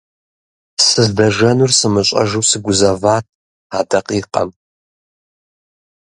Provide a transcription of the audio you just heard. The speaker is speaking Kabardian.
Сыздэжэнур сымыщӏэжу сыгузэват а дакъикъэм.